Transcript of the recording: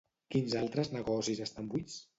Quins altres negocis estan buits?